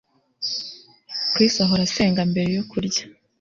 Chris ahora asenga mbere yo kurya